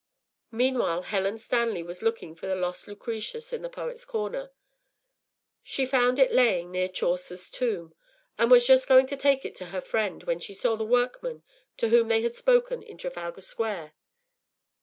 Meanwhile Helen Stanley was looking for the lost Lucretius in the Poets’ Corner. She found it laying near Chaucer’s tomb, and was just going to take it to her friend when she saw the workman to whom they had spoken in Trafalgar Square.